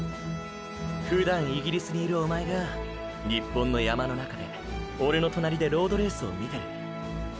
ふだんイギリスにいるおまえが日本の山の中でオレの隣でロードレースを見てる。